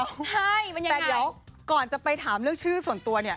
ใช่แต่เดี๋ยวก่อนจะไปถามเรื่องชื่อส่วนตัวเนี่ย